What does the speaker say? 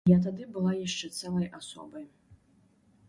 Я тады была яшчэ цэлай асобай.